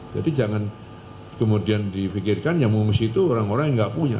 jadi jangan kemudian dipikirkan yang mengungsi itu orang orang yang enggak punya